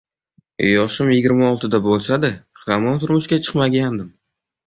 Yoshim yigirma oltida bo`lsa-da, hamon turmushga chiqmagandim